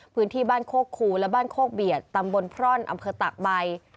พื้นที่บ้านโคกคูและบ้านโคกเบียดตำบลพร่อนอำเภอตากใบ